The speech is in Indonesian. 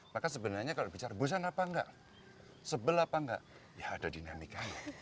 maka sebenarnya kalau bicara busan apa enggak sebel apa enggak ya ada dinamik kami